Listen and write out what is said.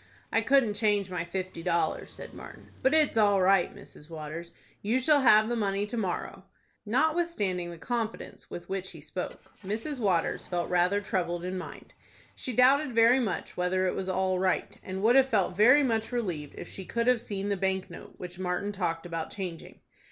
"I couldn't change my fifty dollars," said Martin; "but it's all right, Mrs. Waters. You shall have the money to morrow." Notwithstanding the confidence with which he spoke, Mrs. Waters felt rather troubled in mind. She doubted very much whether it was all right, and would have felt very much relieved if she could have seen the bank note which Martin talked about changing.